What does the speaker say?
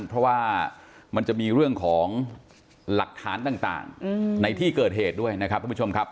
เพราะว่ามันจะมีเรื่องของหลักฐานต่างในที่เกิดเหตุด้วยนะครับทุกผู้ชมครับ